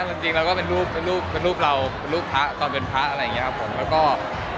เราก็เป็นรูปเราเป็นรูปพระตอมเป็นพระอะไรอย่างนี้ครับผม